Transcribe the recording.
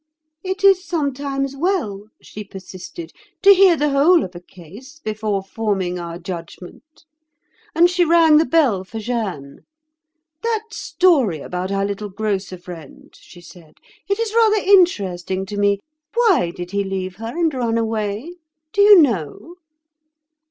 'It is sometimes well,' she persisted, 'to hear the whole of a case before forming our judgment.' And she rang the bell for Jeanne. 'That story about our little grocer friend,' she said—'it is rather interesting to me. Why did he leave her and run away—do you know?